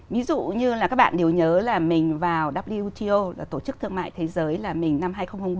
ví dụ như là các bạn đều nhớ là mình vào wto là tổ chức thương mại thế giới là mình năm hai nghìn hai mươi